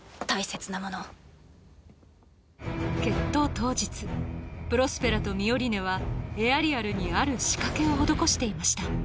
当日プロスペラとミオリネはエアリアルにある仕掛けを施していました